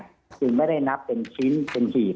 คือไม่ได้นับเป็นชิ้นเป็นฉีด